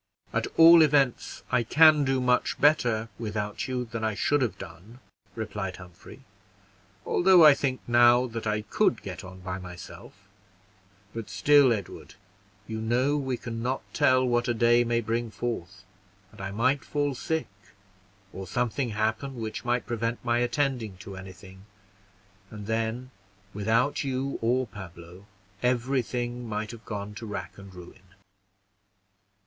"At all events, I can do much better without you than I should have done," replied Humphrey; "although I think now that I could get on by myself; but still, Edward, you know we can not tell what a day may bring forth, and I might fall sick, or something happen which might prevent my attending to any thing; and then, without you or Pablo, every thing might have gone to rack and ruin.